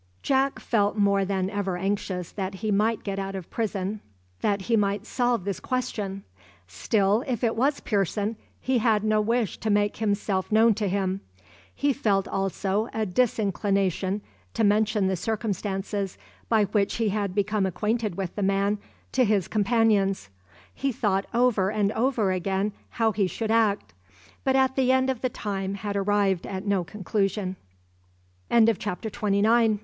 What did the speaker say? Jack felt more than ever anxious that he might get out of prison that he might solve this question. Still, if it was Pearson, he had no wish to make himself known to him. He felt also a disinclination to mention the circumstances by which he had become acquainted with the man to his companions. He thought over and over again how he should act; but at the end of the time had arrived at no conclusion. John Deane of Nottingham by W.